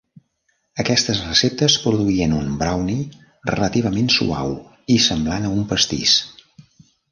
Aquestes receptes produïen un brownie relativament suau i semblant a un pastís.